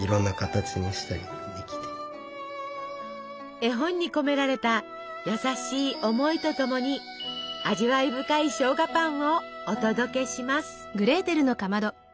絵本に込められた優しい思いとともに味わい深いしょうがパンをお届けします！